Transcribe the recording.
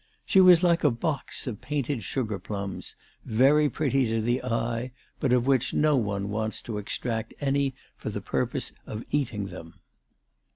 She was like a box of painted sugar plums, very pretty to the eye, but of which no one wants to extract any for the purpose of eating them.